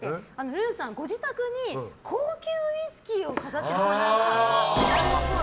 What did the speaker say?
ルーさん、ご自宅に高級ウイスキーを飾ってるっぽい。